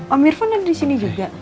om irfan ada di sini juga